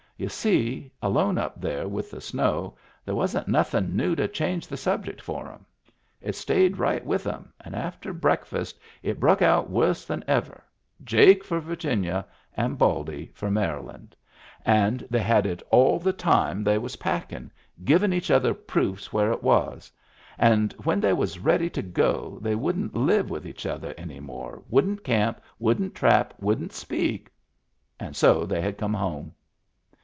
Y'u see, alone up there with the snow there wasn't nothin' new to change the subject for 'em. It stayed right with 'em, and after breakfast it bruck out worse than ever, Jake for Virginia and Baldy for Maryland, Digitized by Google 268 MEMBERS OF THE FAMILY and they had it all the time they was packin*, givin' each other proofs where it was ; and when they was ready to go they wouldn't live with each other any more, wouldn't camp, wouldn't trap, wouldn't speak — and so they had come home!